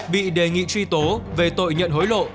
bị đề nghị truy tố về tội nhận hối lộ